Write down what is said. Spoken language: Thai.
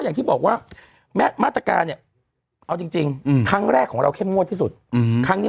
อย่างที่บอกว่ามาตรการเนี่ยเอาจริงครั้งแรกของเราเข้มงวดที่สุดครั้งนี้